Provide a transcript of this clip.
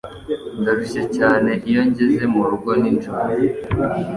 Ndarushye cyane iyo ngeze murugo nijoro.